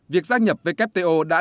việc gia nhập wto đã